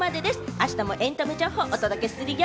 あしたもエンタメ情報をお届けするよ。